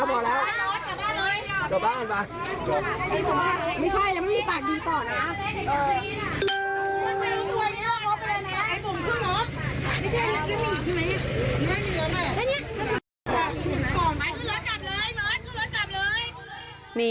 โอ้ย